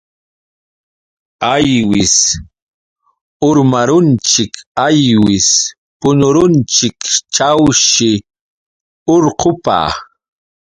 Aywis urmarunchik aywis puñurunchik chayshi urqupa.